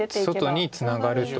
外にツナがると。